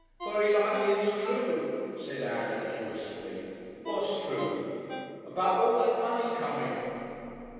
"Very likely it's true," said Ann, a little wistfully. "What's true?" "About all that money coming."